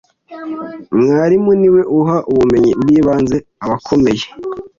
Mwarimu niwe uha ubumenyi bw’ibanze abakomeye